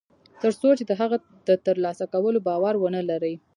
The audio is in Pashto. تر څو چې د هغه د تر لاسه کولو باور و نهلري